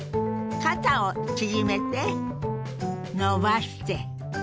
肩を縮めて伸ばして。